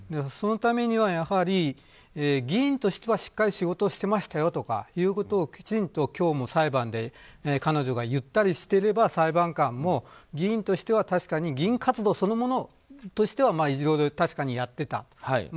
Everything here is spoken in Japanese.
そのためにはやはり議員としてはしっかり仕事をしていましたよということはきちんと今日も裁判で彼女が言ったりしていれば裁判官も議員としては確かに議員活動そのものとしては確かにやっていた。